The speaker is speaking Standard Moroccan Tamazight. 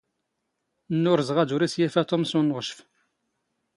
ⵏⵏⵓⵔⵣⵖ ⴰⴷ ⵓⵔ ⵉⵙⵢⴰⴼⴰ ⵜⵓⵎ ⵙ ⵓⵏⵏⵖⵛⴼ.